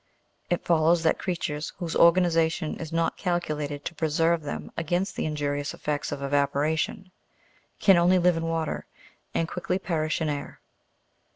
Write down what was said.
It follows that creatures whose organization is not calculated to preserve them against the injuri ous effects of evaporation, can only live in water and quickly perish in air.